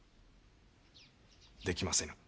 できませぬ。